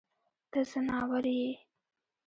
ته ځناور يې.